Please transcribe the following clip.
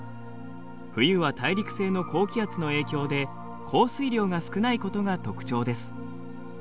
冬は大陸性の高気圧の影響で降水量が少ないことが特徴です。